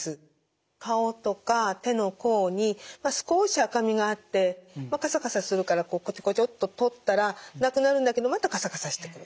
顔とか手の甲に少し赤みがあってカサカサするからこちょこちょっと取ったらなくなるんだけどまたカサカサしてくる。